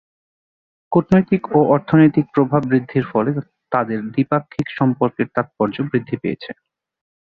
কূটনৈতিক ও অর্থনৈতিক প্রভাব বৃদ্ধির ফলে তাদের দ্বিপাক্ষিক সম্পর্কের তাত্পর্য বৃদ্ধি পেয়েছে।